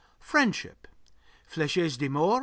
FRIENDSHIP Flèches d'amour.